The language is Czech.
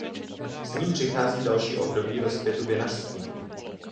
S ním přichází další období rozkvětu vinařství.